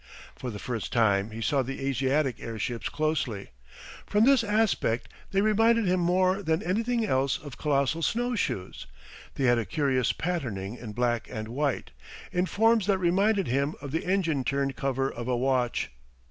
For the first time he saw the Asiatic airships closely. From this aspect they reminded him more than anything else of colossal snowshoes; they had a curious patterning in black and white, in forms that reminded him of the engine turned cover of a watch.